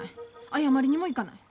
謝りにも行かない。